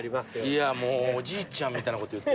いやもうおじいちゃんみたいなこと言ってる。